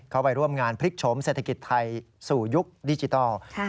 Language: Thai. ไปร่วมงานพลิกชมเศรษฐกิจไทยสู่ยุคดิจิทัล